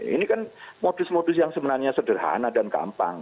ini kan modus modus yang sebenarnya sederhana dan gampang